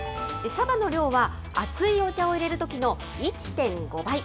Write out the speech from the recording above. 茶葉の量は熱いお茶をいれるときの１．５倍。